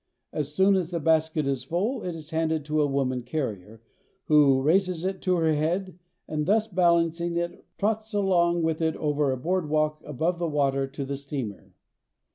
As soon as a basket is full it is handed to a woman carrier, who raises it to her head, and thus balan cing it trots along with it over a board walk above the water to the steamer.